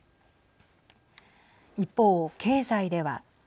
一方、経済では。